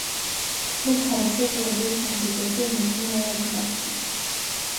Рыцҳарас иҟалаз, усҟан зегь ахы инаркны уалагар акәхоит.